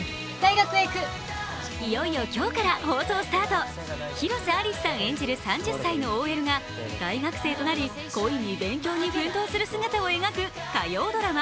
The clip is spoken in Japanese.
いよいよ今日から放送スタート、広瀬アリスさん演じる３０歳のＯＬが大学生となり、恋に勉強に奮闘する姿を描く火曜ドラマ